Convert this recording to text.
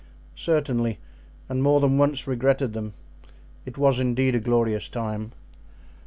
"Certainly, and more than once regretted them; it was indeed a glorious time."